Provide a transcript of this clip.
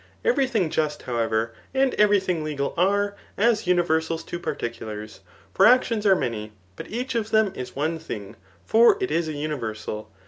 Every thing just, however, and every thing legal ate, as universal to particulars. Fos acdons are many, but each of them is one thing ; for it id a universal.